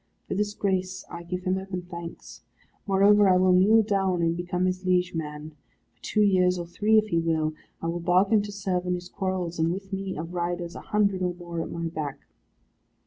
For this grace I give him open thanks. Moreover I will kneel down, and become his liege man. For two years, or three, if he will, I will bargain to serve in his quarrels, and with me, of riders, a hundred or more at my back."